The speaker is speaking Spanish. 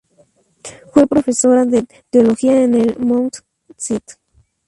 Fue profesora de Teología en el Mount St.